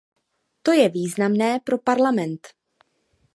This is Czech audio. To je významné pro Parlament.